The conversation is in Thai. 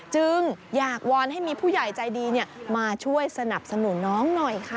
จึงอยากวอนให้มีผู้ใหญ่ใจดีมาช่วยสนับสนุนน้องหน่อยค่ะ